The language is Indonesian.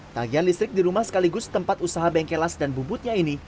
tagihan listrik di rumah sekaligus tempat usaha bengkelas dan bubutnya ini